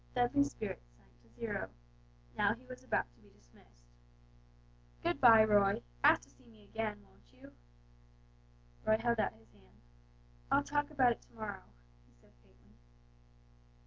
Dudley's spirits sank to zero, now he was about to be dismissed. "Good bye, Roy, ask to see me again, won't you?" Roy held out his hand. "I'll talk about it to morrow," he said, faintly.